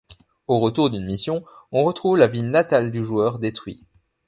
Au retour d’une mission, on retrouve la ville natale du joueur détruit.